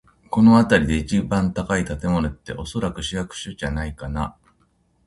この辺りで一番高い建物って、おそらく市役所じゃないかな。